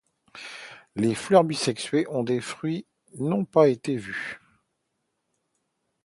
Les fleurs bisexuées et les fruits n'ont pas été vus.